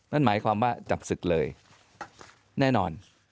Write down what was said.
นั่นหมายความว่าจับศึกเลยแน่นอน